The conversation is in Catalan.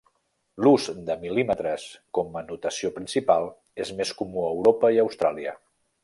L'ús de mil·límetres com a notació principal és més comú a Europa i Austràlia.